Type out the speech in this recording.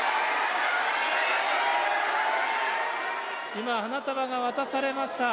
今、花束が渡されました。